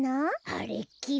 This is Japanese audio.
あれっきり。